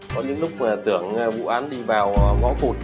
có những lúc tưởng vụ án đi vào ngõ cụt